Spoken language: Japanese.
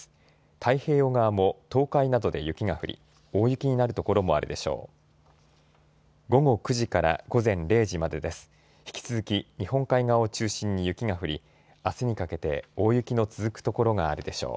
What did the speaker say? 太平洋側も東海などで雪が降り大雪になる所もあるでしょう。